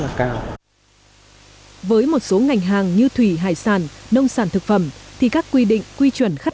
giá cao với một số ngành hàng như thủy hải sản nông sản thực phẩm thì các quy định quy chuẩn khắt